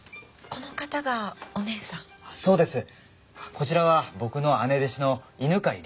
こちらは僕の姉弟子の犬飼里緒さんです。